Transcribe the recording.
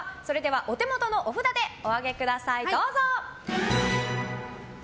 お手元のお札でお上げください。